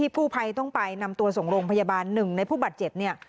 กู้ภัยต้องไปนำตัวส่งโรงพยาบาลหนึ่งในผู้บาดเจ็บเนี่ย